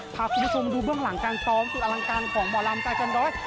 พาคุณผู้ชมมาดูเบื้องหลังการซ้อมสุดอลังการของหมอลำตาจันร้อย